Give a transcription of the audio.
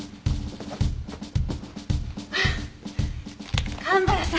あっ蒲原さん。